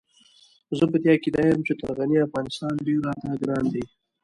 زه په دې عقيده يم چې تر غني افغانستان ډېر راته ګران دی.